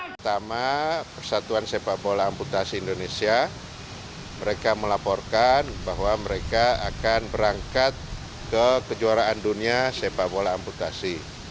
pertama persatuan sepak bola amputasi indonesia mereka melaporkan bahwa mereka akan berangkat ke kejuaraan dunia sepak bola amputasi